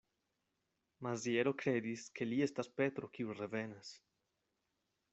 Maziero kredis, ke li estas Petro, kiu revenas.